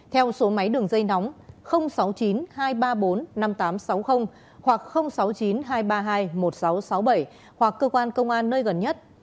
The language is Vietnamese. theo số máy đường dây nóng sáu mươi chín hai trăm ba mươi bốn năm nghìn tám trăm sáu mươi hoặc sáu mươi chín hai trăm ba mươi hai một nghìn sáu trăm sáu mươi bảy hoặc cơ quan công an nơi gần nhất